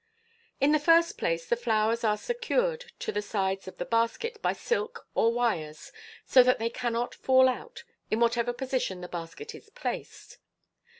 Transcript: In the first place, the flowers are secured to the sides of the baskets by silk or wires, so that they cannot fall out, in whatever position the basket is placed.